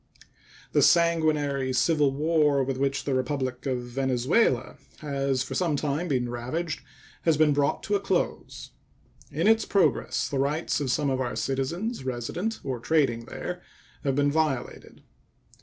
The sanguinary civil war with which the Republic of Venezuela has for some time past been ravaged has been brought to a close. In its progress the rights of some of our citizens resident or trading there have been violated.